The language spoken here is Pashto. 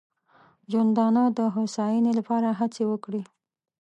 ژوندانه د هوساینې لپاره هڅې وکړي.